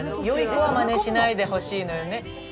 よい子はまねしないでほしいのよね。